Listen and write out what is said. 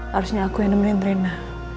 harusnya aku yang nemenin rena